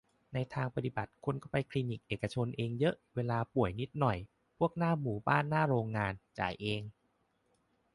ในทางปฏิบัติคนก็ไปคลินิคเอกชนเองเยอะ เวลาป่วยนิดหน่อย พวกหน้าหมู่บ้านหน้าโรงงาน จ่ายเอง